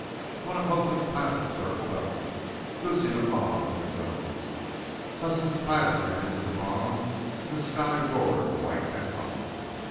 One of Hoagland's pilots circled up, loosing a bomb as it rose. Huston's pilot ran into the bomb and the sky roared white and hot.